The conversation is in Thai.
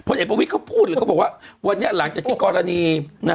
เอกประวิทย์เขาพูดเลยเขาบอกว่าวันนี้หลังจากที่กรณี